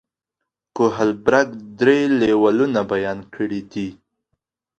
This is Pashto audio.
کوهلبرګ درې لیولونه بیان کړي دي.